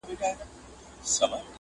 o د لاس د گوتو تر منځ لاهم فرق سته!